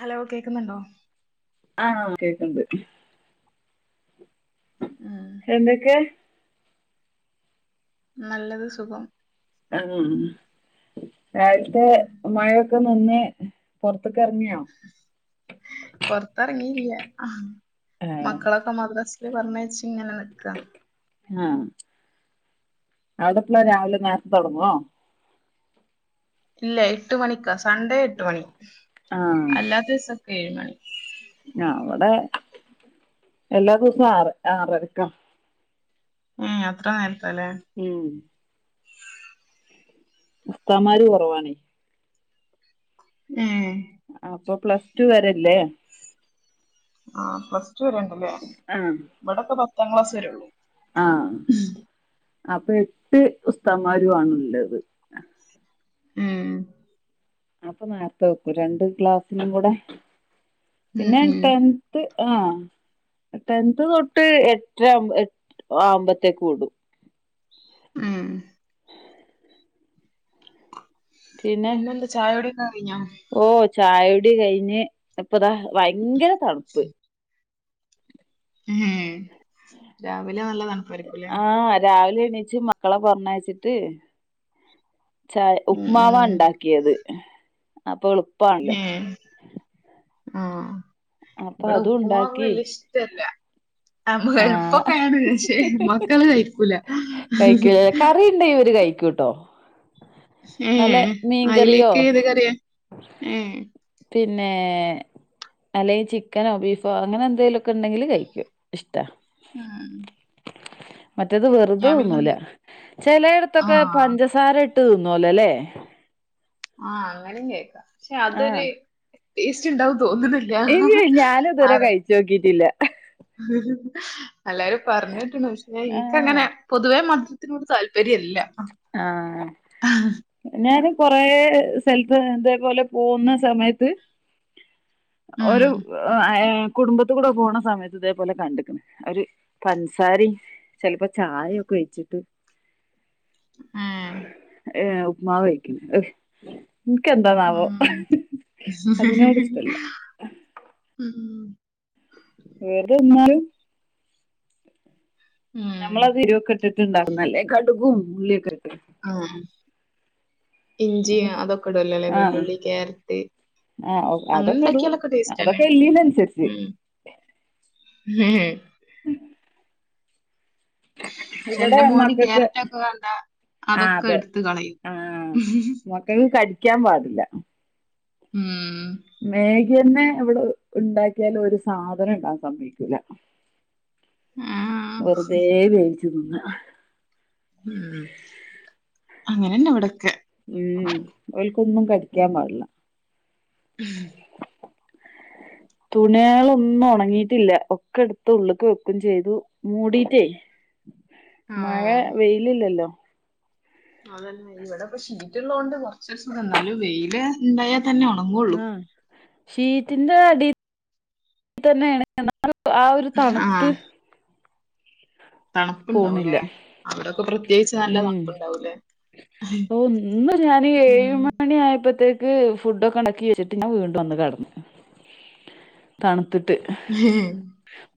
Hello കേക്കുന്നുണ്ടോ ആഹ് കേക്ക്ണ്ട് ഉം എന്തൊക്കെ നല്ലത് സുഖം അം നേരത്തെ ഉം മഴ ഒക്കെ നിന്ന് പൊറത്ക്ക്റങ്ങിയോ പൊറത്തിറങ്ങില്യ അഹ് ആഹ് മക്കളൊക്കെ മദ്രാസില് പറഞ്ഞയച്ച് ങ്ങനെ നിക്ക ആഹ് അവിടെപ്പളാ രാവിലെ നേരത്തെ തുടങ്ങോ ഇല്ല എട്ട് മണിക്കാ സൺഡേ എട്ട് മണി ആഹ് അല്ലാത്ത ദിസൊക്കെ ഏഴ് മണി ഞ് അവിടെ എല്ലാ ദിവസവും ആറരക്ക ഏ അത്ര നേരത്തല്ലേ ഉം ഉസ്താമാര് കുറവാണ ഏഹ് അപ്പൊ പ്ലസ് ടു വരല്ലേ ആ പ്ലസ് ടു വരെണ്ടല്ലേ ആഹ് ഇവിടൊക്കെ പത്താം ക്ലാസ് വരള്ളൂ ആഹ അപ്പൊ എട്ട് ഉസ്താന്ന്മാരു ആണുള്ളത് ഉം അപ്പൊ നേരത്തെ വെക്കൂ രണ്ട് ക്ലാസിനും കൂടെ ഉം ഉം പിന്നെട്ടൻ ഏട്ട് ആ ടെൻത് തൊട്ട് എട്ടര ആവുമ്പത്തേക്ക് വിടും ഉം പിന്നെ പിന്നെന്താ ചായകുടി ഒക്കെ കയിഞ്ഞോ ഓ ചായോടി കയിഞ്ഞ് ഇപ്പൊതാ ഭയങ്കര തണുപ്പ് ഏഹ് രാവിലെ നല്ല തണുപ്പായിരിക്കുംല്ലേ ആഹ് രാവിലെ എണീച്ച് മക്കളെ പറഞ്ഞയച്ചിട്ട് ചായ ഉം ഉപ്പ്മാവ ഉം ഉണ്ടാക്കിയത് അപ്പൊ എളു - ഏഹ് ആഹ് അപ്പൊ ഇവിടെ അതും ഉപ്പുമാവ് ഉണ്ടാക്കി വല്യ ഇഷ്- ട്ടല്ല ആഹ് എള്പ്പൊക്കേണ് പക്ഷേ മക്കള് കഴിക്കൂല കഴിക്കൂലലെ കറിണ്ടെ ഇവര് കഴിക്കൂട്ടോ നല്ല ഏഹ് മീൻകറിയോ അയിലേക്ക് ഏത് കറിയ ഏഹ് പിന്നെ അല്ലെങ്കി ചിക്കനോ ബീഫോ അങ്ങനെ എന്തെലും ഒക്കെണ്ടെങ്കിൽ കഴിക്കും ഇഷ്ടാ ഉം മറ്റേത് വേറ ത് ഞാൻ പിന്നെ തിന്നൂല ചിലയിടത്തൊക്കെ ആഹ് പഞ്ചസാര ഇട്ട് തിന്നല്ലോലെ ആഹ് അങ്ങനേം കഴിക്കാം പക്ഷെ ആഹ് അതൊര് ടേസ്റ്റ്ണ്ടാവും ന്ന് തോന്നണ്ല്ല ഏയ് അയ്‌ ഞാനത് ഇതുവരെ കഴിച്ചു നോക്കിട്ടില്ല ഹ് ഹ് ഹി എല്ലാരും പറഞ്കേട്ട്ണ് പക്ഷെ ആഹ് ഇൻകങ്ങനെ പൊതുവേ മ- ധുരത്തിനോട് താല്പര്യല്ല ആഹ് ഞൻ കൊറ സ്ഥലത്ത് അതേപോലെ പോകുന്ന സമയത്ത് ഉം ഒരു ഏ കുടുംബത്തി കൂടെ പോണ സമയത്ത് ഇതേപോലെ കണ്ടക്കണ് ഒര് പഞ്സാരി- ചിലപ്പോ ചായ ഒക്കെ വെച്ചിട്ട് ഏഹ് ഏ ഉപ്മാ കഴിക്കുന്ന- ഇൻക്കെന്താന്നാവോ ഉം അതിനോട് ഇഷ്ടല്ല ഉം വേറന്നാലും ഉം മ്മളത് ഇരിവക്കെ ഇട്ടുണ്ടാവുന്ന അല്ലേ കഘടുകും ഉുള്ളിയൊക്കെ ഇട്ടി- ആഹ് ഇഞ്ചി അതൊക്കെ ഇടുല്ലോല്ലേ ആഹ് വെല്ലുളി ക്യാരറ്റ് ആഹ് അങ്ങനെ അതൊക്കെ ഇടും ണ്ടാക്കിയാലൊക്കെ ടേസ്റ്റ് തന്നെ അതൊക്കെ എല്ലിനനുസരിച്ച് ഉം ഹെഹെ പക്ഷെ ഇവിടെ എന്റെ മോന് മക്കൾക്ക്- ക്യാരറ്റ് ഒക്കെ കണ്ട ആഹ് അതൊക്കെ അതെ എടുത്ത് കളയും ആ മക്കക്ക് കടിക്കാൻ പാടില്ല ഉം മേഘി ന്നെ ഇവിടെ ണ്ടാക്കിയാലും ഒരു സാധനം ഇടാൻ സഭവിക്കൂല്ല ആ വെറുതെ വേവിച്ചു തിന്ന ഉം അങ്ങനെന്നെ ഇവിടക്കെ ഉം ഓൾക്കോന്നും കടിക്കാൻ പാടില്ല ഉം [unintelligible] തുണിയാളൊന്നും ഉണങ്ങിയിട്ടില്ല ഒക്കെ എടുത്ത് ഉള്ളേക്ക് വെക്കയും ചെയ്തു മൂടിട്ടേ ആ മഴ വെയിലില്ലല്ലോ അതല്ലേ ഇവിടെ ഇപ്പ ഷീറ്റ്ള്ളതത് കൊണ്ട് കുറച്ച്സുഖം എന്നാലും വെയില് ണ്ടായ തെന്നെ നങ്ങും ആഹ് ശീതിന്റെ അടി തന്നെ ണ് എന്ന ആ ഒരു ആ തണുപ്പ് പോണില്ല തണുപ്പുണ്ടാവുല്ലേ അവിടെൊക്കെ പ്രത്യേകിച്ച് നല്ല തണുപ്പുണ്ടാവൂല്ലേ ഓഹ് ഒന്ന് ഞാൻ ഏഴ് ഉം മണി ആയപ്പോത്തേക്ക്- ക് ഫുഡൊക്കെ ണ്ടക്കി വെച്ചിട്ട് ഞാൻ വീണ്ടന്ന് കടന്ന് തണുത്തിട്ട് ഹം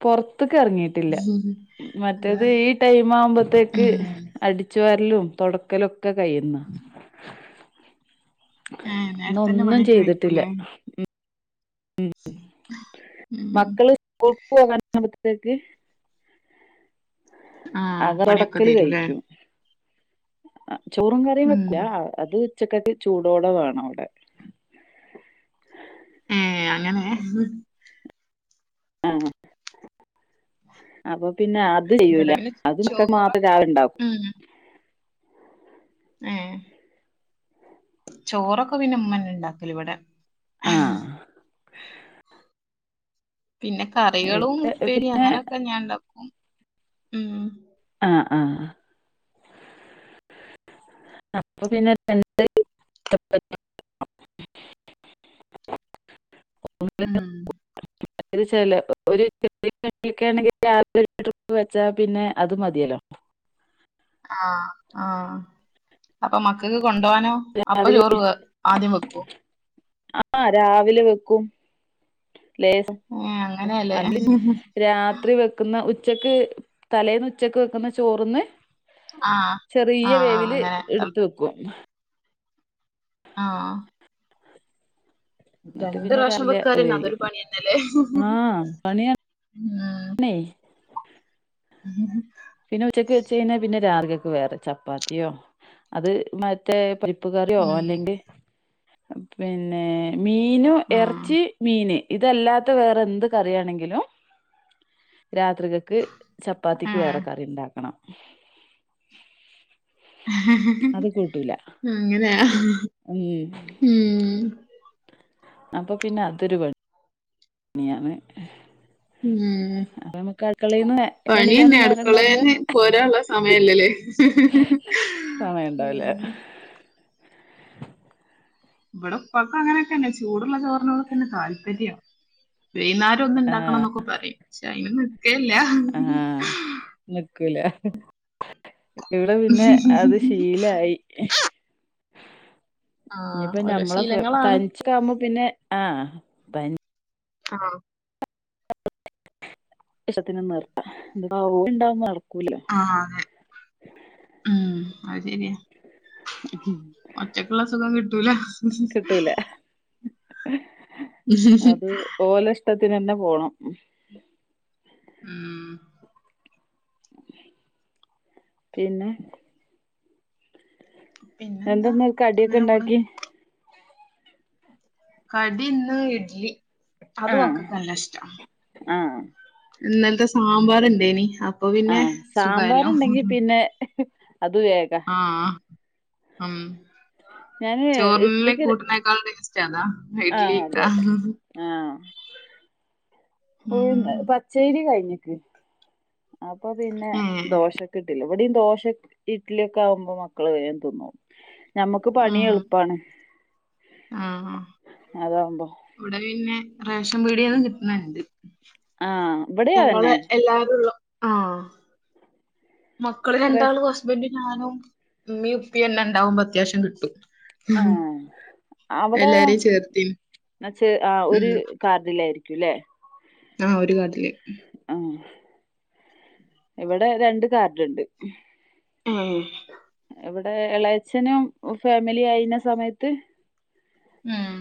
പുറത്തൊക്കറങ്ങിട്ട് [inaudible] മറ്റേത് ഈ ടൈം ആവുമ്പോത്തേക്ക് ഉം അടിച്ച വരലും തുടക്കലും ഒക്കെ കഴുന്ന. ഏ നേരത്തന്നെ ഇന്നൊന്നും പണിയൊക്കെ ചെയ്തിട്ടില്ല കഴിക്കൂലേ ഉം ഉം മക്കള് പോകനാവുമ്പഴത്തേക്ക് ആ അത് പണിയൊക്കെ തുടക്കല് തീരൂല്ലേ കഴിക്കും ചോറും കറിയും ഉം വെക്കില്ല അത് ഉച്ചക്കക്ക്‌ ചൂടോട വേണവിടെ ഏഹ് അങ്ങനെ ആഹ് അപ്പൊ പിന്നെ അത് ഇവിടെ ചെയ്യൂല പിന്നെ അത്ക്കെ മാത്രം ചോറൊക്കെ രാവെ ണ്ടാവും ഉം ചോറൊക്കെ പിന്നെമ്മന്ന ണ്ടാക്കല ഇവിടെ ആഹ് പിന്നെ കറികളും ഇവിടെ ഉപ്പേരിയും പിന്നെ അങ്ങനെയൊക്കെ ഞാൻ ണ്ടാക്കും ഉം ആഹ് ആഹ് അപ്പ പിന്നെ [unintelligible] ഉം [unintelligible] [unintelligible] വെച്ചാ പിന്നെ അത് മതിയല്ലോ ആഹ് ആഹ് അപ്പം മക്കക്ക് കൊണ്ടുപോാനോ അപ്പൊ രാവിലെ ചോറ് ആദ്യം വെക്കോ അപ്പ രാവിലെ വെക്കും ഏ അങ്ങനെയല്ലേ [unintelligible] ത്രി വെക്കുന്ന ഉച്ചക്ക് തലേന്ന് ഉച്ചക്ക് വെക്കുന്ന ചോറ്ന്ന് ആ ആ ചെറിയ വേവില് അങ്ങനെ തൾ എടുത്ത് വെക്കും ആഹ് എന്നിട്ട് രണ്ട് പിന്നെ പ്രാവശ്യം രാവിലെ വെക്കാറന്ന വേവിക്കും. അതൊരു പണി തന്നല്ലേ ആ പണിയാണേ. ഉം [inaudible] പിന്നെ ഉച്ചക്ക് വെച്ചഴിഞ്ഞാൽ പിന്നെ രാർഗൊക്കെ വേറെ ചപ്പാത്തിയോ അത് മ മേ പരിപ്പ് കറിയോ ഉം അല്ലെങ്കി പിന്നെ മീനോ ആ ഇറച്ചി മീന് ഇതല്ലാത്ത വേറെ എന്ത് കറിയണെങ്കിലും രാത്രികക്ക് ചപ്പാത്തിക്ക് ആഹ് വറക്ക കറിണ്ടാക്കണം അങ്ങനെയ ഉം ഉം അപ്പൊ പിന്നെ അതൊരു പ പണിയാണ് ഉം അപ്പൊ നമുക്ക് അടുക്കളയിൽന്ന് പണിയന്നെ എണീക്കാനും നേരം ഉണ്ടാവില്ല അട്ക്കളെന്ന് പോരാള്ള സമയല്ലല്ലേ സമയണ്ടാവില്ല ഉം ഇവടെ ഇപ്പാക്ക്‌ അങ്ങനൊക്കെ ന്നെ ചൂടുള്ള ചോറ് നോടൊക്കെ തന്നെ താല്പര്യം വൈന്നാരം ഒന്ന് ഇണ്ടാക്കണം ന്നൊക്കെ പറയും പക്ഷെ അയിനൊന്നും നിൽക്കൽല്ല ആഹ് നിക്കൂല ഇവിടെ പിന്നെ അത് ശീലായി ആഹ് ഇനിപ്പോ ഓരോ ഞമ്മളെ ഫ് ശീലങ്ങളാണ് തരിച്ച് ക്ക്‌ ആവുമ്പോ പിന്നെ ആഹ് തനി ആഹ് വിഷത്തിന് നേർത്ത ഇണ്ടാവ നട്ക്കൂല്ല ആഹ് അതെ ഉം അത് ശരിയാ ആഹ് ഒറ്റയ്ക്കുള്ള സുഖം കിട്ടൂല കിട്ടൂല അത് ഓലെ ഇഷ്ടത്തിന് തന്നെ പോണം ഉം പിന്നെ പിന്നെന്താ എന്തൊന്ന് കടിയൊക്കെ അങ്ങനെ പോണ് ഇണ്ടാക്കി കടി ഇന്ന് ഇഡ്ലി അത് ആ മക്കക്കല്ല ഇഷ്ടം ആ ഇന്നൽത്തെ സാമ്പാർണ്ടേനി ആഹ് സാമ്പാറ് ഇണ്ടെങ്കി പിന്നെ അത് വേഗ ആഹ് ഉം ഞാന് ചോറ് കൂട്ട്നേക്കാൾ ടേസ്റ്റതാ ആഹ് അതെ ആഹ് ഫുൾ ഉം പച്ചേരി കഴിഞ്ഞിക്ക് അപ്പൊ പിന്നെ ഏഹ് ദോശൊക്കെ ഇട്ടില്ല ഇവിടിം ദോശ ഇഡ്ലിയൊക്കെ ആകുമ്പോ മക്കള് വേഗം തിന്നോളും നമ്മക്ക് പണി ഉം എള്പ്പാണ് ആഹ് അതാവുമ്പോ ഇവിടെ പിന്നെ റേഷൻ പീടിയേന്ന് കിട്ട്ണ് ണ്ട് ആ ഇവിടെ ഞങ്ങള് അതന്നെ എല്ലാരുംള്ള ആഹ് മക്കള് റേഷ രണ്ടാളും ഹസ്ബൻഡ് ഞാനും ഉമ്മീ ഉപ്പിന്നെ ഉണ്ടാവുമ്പോ അത്യാവശ്യം കിട്ടും ആഹ് അവിടെ എല്ലാരേം ചേർത്തിന് എന്നച്ച് ആഹ് ഉം ഒര്‌ കാർഡിലായിരിക്കുംല്ലേ ആഹ് ഒരു കാർഡില് ആഹ് ഇവിടെ രണ്ട് കാർഡുണ്ട് ഉം എവിടെ ഇളയച്ഛനും ഫാമിലി ആയീന്ന സമയത്ത് ആഹ്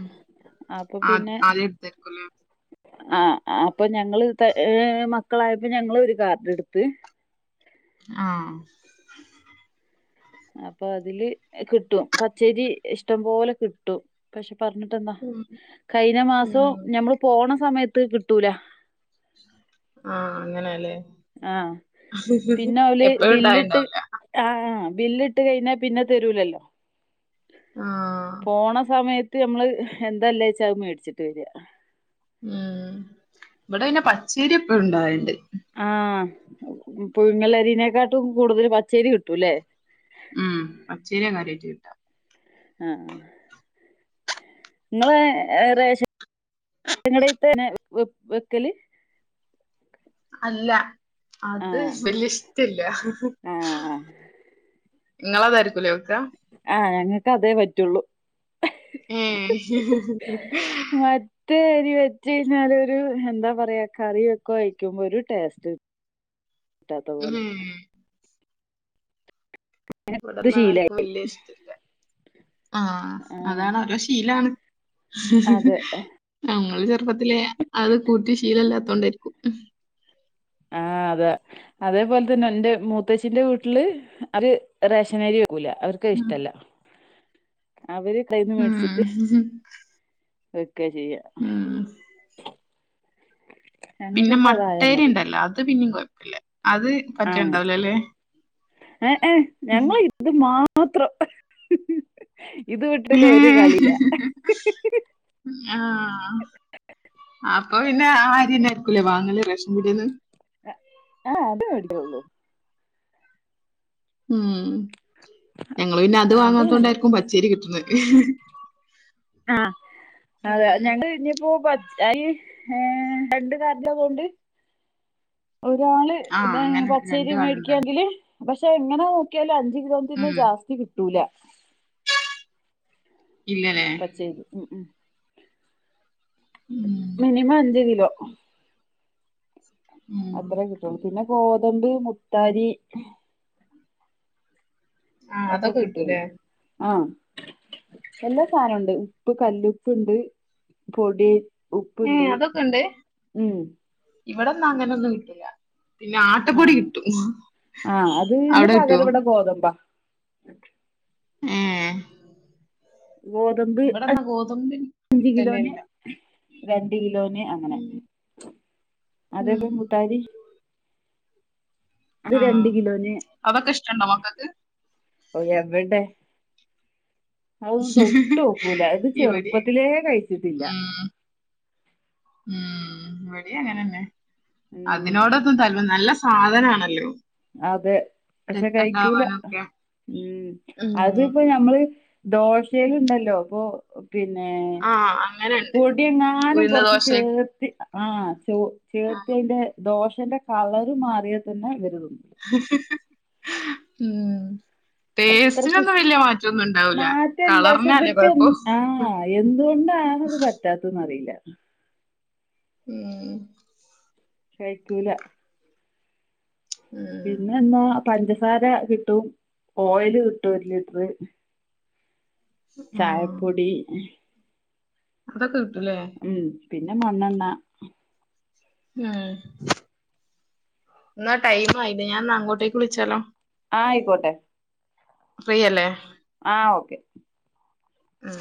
അപ്പൊ പിന്നെ ആഹ് അപ്പൊ ഞങ്ങള്ത് ഹ് മക്കളായപ്പോ ഞങ്ങള് ഒരു കാർഡ് ഇട്ത്ത്. ആഹ് അപ്പൊ അതില് കിട്ടും പച്ചയ്രി ഇഷ്ടം പൊലെ കിട്ടും. പക്ഷെ പറഞ്ഞിട്ടെന്താ ഉം കഴിഞ്ഞ മാസും ഉം ഞമ്മള് പോണ സമയത്ത് കിട്ടൂല. ആഹ് അങ്ങനെല്ലേ. ആഹ് പിന്നെ ഓല് എപ്പഴും ബില്ലിട്ട്. ഉണ്ടായിണ്ടാവൂല ആഹ് ബില്ലിട്ട് കഴിഞ്ഞാൽ പിന്നെ തരൂലല്ലോ. ആഹ് പോണ സമയത്ത് നമ്മള് എന്തല്ലേച്ചാ അത് മേട്ച്ചിട്ട് വെര ഉം ഇവിടെ പിന്നെ പച്ചേരിപ്പളും ഇണ്ടാവല്ണ്ട്. ആഹ് പുഴുങ്ങലരിനേക്കാട്ടും കൂടുതൽ പച്ചേരി കിട്ടൂല്ലേ. ഉം പച്ചയ്രിയ കാര്യായിട്ട് കിട്ട. ആഹ് ആഹ് ഇങ്ങളെ ഏഹ് റേഷൻ കടേതെന്നെ വെക്കല്. അല്ല അത് ആഹ് വല്ല്യ ഇഷ്ടല്ല. ആഹ് ഇങ്ങളതാരിക്കൂലേ വെക്ക. ആഹ് ഞങ്ങക്കതേ പറ്റൊള്ളൂ. ഏഹ് ത്ത് അരി വെച്ചേഞ്ഞാലൊരു എന്താ പറയാ കറി ഒക്കെ ഒയിക്കുമ്പോ ഒരു ടേസ്റ്റ്. കിട്ടാത്ത ഉം പോലെ ഇത് ശീലായി ഇവടൊന്നാർക്കും വല്ല്യെഷ് ആഹ് അതാണ് ഓരോ ശീലാണ് അതെ ഞങ്ങള് ചെർപ്പത്തിലേ അത് കൂട്ടി ശീലല്ലാത്തോണ്ടാര്ക്കും. ആഹ് അതാ അതേപോൽതെന്നെ ൻ്റെ മൂത്തച്ചിന്റെ വീട്ല് അവര് റേഷനരി ക്കുല അവര്ക്ക ഉം ഇഷ്ടല്ല അവര് കടേന്ന് ഉം വെക്കെ ചെയ്യാ. ഉം പിന്നെ മട്ടെരി മതി ഇണ്ടല്ലോ അത് പിന്നിം കൊയ്പ്പില്ല അത് ആഹ് പറ്റണ്ടാവൂലല്ലേ എഹ് എഹ് ഞങ്ങ്ള് ത് മാത്രം ഇത് വിട്ടില്ല ഒരു കളില്ല ആഹ് അപ്പൊ പിന്നെ ആഹ് അര്യെന്നെ ആര്ക്കൂലേ വാങ്ങല് റേഷൻ പീട്യേന്ന്. ആഹ് അതെ മേടിക്കുള്ളൂ. ഉം ഞങ്ങള് പിന്നെ അത് വാങ്ങാത്തോണ്ടാര്ക്കും പച്ചെരി കിട്ടിണ് ആഹ് അതെ ഞങ്ങള് ഇനിപ്പോ പച്ച ഈ ഏഹ് രണ്ട് കാർഡതോണ്ട് ഒരാള് ആഹ് അങ്ങനെ രണ്ട് പച്ചരി കാടുണ്ടല്ലോ മേടിക്കാങ്കില്ല് പക്ഷെ എങ്ങനെ നോക്ക്യാലും അഞ്ച് കിലോ തന്നെ ഉം ജാസ്തി കിട്ടൂല. ഇല്ലനെ രി ഉം മിനിമഞ്ച് കിലോ. ഉം അത്രേ കിട്ടുള്ളൂ. പിന്നെ ഗോതമ്പ്, മുത്താരി. ആഹ് ഒക്കെ അതൊക്കെ കിട്ടുല്ലേ. കിട്ടൂലേ ആഹ് എല്ലാ സാനുണ്ട്. പ്പ് കല്ലുപ്പിണ്ട്, പൊടി ഉപ്പുണ്ട് ഏഹ് അതൊക്കെണ്ട്. ഉം ഇവടെന്നാ അങ്ങനൊന്നുല്ല. പിന്നെ ആട്ടപ്പൊടി ആഹ് കിട്ടും. അവ്ടെട്ട്വോ ഗോതമ്പം ഏഹ് ഗോതമ്പ്. ഗോതമ്പി അഞ്ച് കിലോന്, രണ്ട് കിലോന്. അങ്ങനെ ഉം ഉം അതെപ്പ മുത്താരി അത് ആഹ് രണ്ട് കിലോന് അതൊക്കെ ഇഷ്ടണ്ടോ മക്കക്ക് ഓഹ് എവെടെ അതൊന്നും തൊട്ടോക്കൂല ഇത് ഇവിടെ ചെറുപ്പത്തിലേ കഴിച്ചിട്ടില്ല ഉം ഉം ഇവടിം അങ്ങനെന്നെ ഉം അതിനോടൊന്നും തല് നല്ല സാധനാണല്ലോ അതെ പക്ഷെ രക്തം കഴിക്കൂല ഉണ്ടാവാനൊക്കെ ഉം ഉം അതിപ്പോ ഞ നമ്മള് ദോശേല്ണ്ടല്ലോ പ്പോ പിന്നേ ആഹ് അങ്ങനെണ്ട് പൊട്യെങ്ങാനും ഉഴുന്ന കൊർച്ച് ദോശ ചേർത്തി ആഹ് ചോ ചേർത്തി അയ്ന്റെ ദോശന്റെ കളർ മാറ്യാതന്നെ ഇവര്തിന്നു ഉം അത്രക്ക് ടേസ്റ്റിനൊന്നും ഇഷ്- വെല്ല്യെ മാറ്റൊന്നുണ്ടാവ്ല മാറ്റല്ല പക്ഷെ കളർനാല്ലേ ഇവർക്ക് കൊയ്പ്പോ എന്ത് കൊണ്ടാണത് പറ്റാത്തന്ന് അറീല്ല ഉം കഴിക്കൂല ഉം പിന്നെന്താ പഞ്ചസാരകിട്ടും ഓയില്കിട്ടും ഒരു ലിറ്റർ ആഹ് ച്ചായപ്പൊടി അതൊക്കെ കിട്ടുലേ ഉം പിന്നെ മണ്ണെണ്ണ ഉം ഇന്നാ ടൈമായില്ലേ ഞാൻ അങ്ങോട്ടേക്ക് വിളിച്ചാലോ ആഹ് അയിക്കോട്ടെ ഫ്രീ അല്ലേ ആഹ് ഓക്കെ ഉം